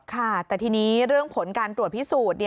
ค่ะแต่ทีนี้เรื่องผลการตรวจพิสูจน์